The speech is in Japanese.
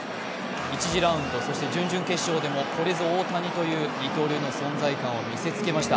１次ラウンド、準々決勝でも、これぞ大谷という二刀流の存在感を見せつけました。